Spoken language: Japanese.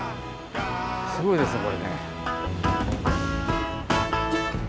すごいですねこれね。